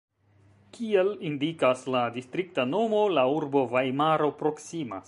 Kiel indikas la distrikta nomo, la urbo Vajmaro proksimas.